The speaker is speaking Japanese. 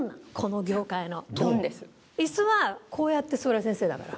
椅子はこうやって座る先生だから。